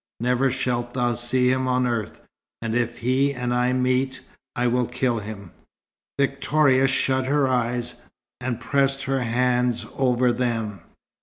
Never shalt thou see him on earth, and if he and I meet I will kill him." Victoria shut her eyes, and pressed her hands over them.